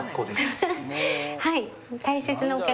はい。